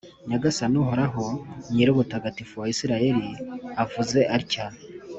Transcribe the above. Nyagasani Uhoraho, Nyirubutagatifu wa Israheli avuze atya :